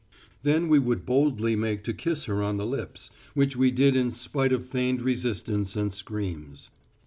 Then we would boldly make to kiss her on the lips, which we did in spite of feigned resistance and screams.